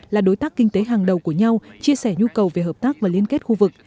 là đối tác kinh tế hàng đầu của nhau chia sẻ nhu cầu về hợp tác và liên kết khu vực